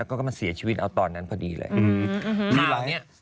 ก็มาเสียชีวิตเอาตอนนั้นพอดีเลย